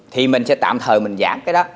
thì mình sẽ tạm thời mình giảm cái đó